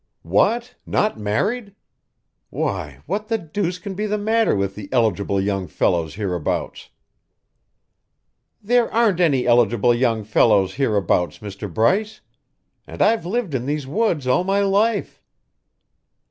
"What? Not married. Why, what the deuce can be the matter with the eligible young fellows hereabouts?" "There aren't any eligible young fellows hereabouts, Mr. Bryce. And I've lived in these woods all my life."